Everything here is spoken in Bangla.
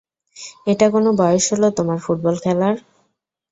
এটা কোন বয়স হলো তোমার ফুটবল খেলার?